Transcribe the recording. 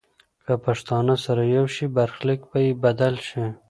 که پښتانه سره یو شي، برخلیک به یې بدل شي.